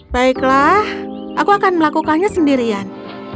baiklah aku akan melakukannya sendirian